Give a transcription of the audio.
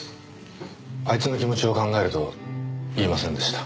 あいつの気持ちを考えると言えませんでした。